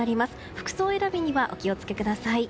服装選びにはお気を付けください。